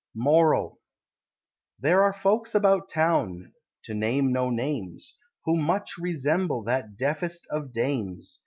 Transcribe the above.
MORAL. There are folks about town to name no names Who much resemble that deafest of Dames!